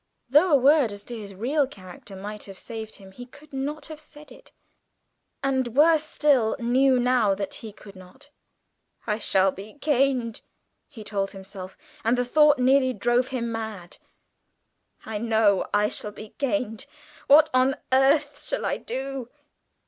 Though a word as to his real character might have saved him, he could not have said it, and, worse still, knew now that he could not. "I shall be caned," he told himself, and the thought nearly drove him mad. "I know I shall be caned! What on earth shall I do?"